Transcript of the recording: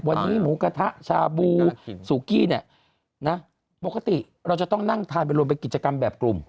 วันนี้หมูกระทะชาบูซูกี้เนี่ยนะปกติเราจะต้องนั่งทานไปรวมเป็นกิจกรรมแบบกลุ่ม